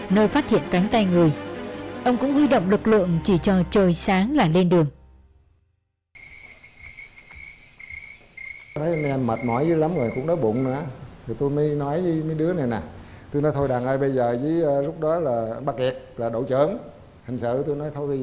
nơi phát hiện là một vụ án hình sự của người dân địa phương